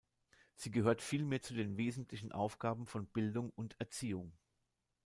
Sie gehört vielmehr zu den wesentlichen Aufgaben von Bildung und Erziehung.